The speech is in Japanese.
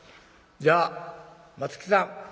じゃあ松木さん」。